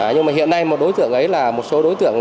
nhưng mà hiện nay một số đối tượng